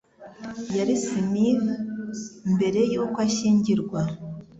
Yari Smith mbere yuko ashyingirwa.